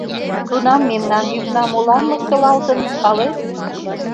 — Тунам мемнан йӱкна молан локтылалтын, палет?